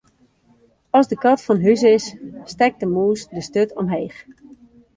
As de kat fan hús is, stekt de mûs de sturt omheech.